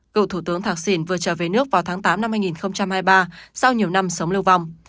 cựu thủ tướng thạc sìn vừa trở về nước vào tháng tám năm hai nghìn hai mươi ba sau nhiều năm sống lưu vong